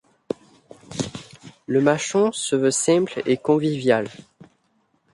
Le mâchon se veut simple et convivial.